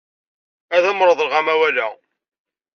Ad am-reḍleɣ amawal-a.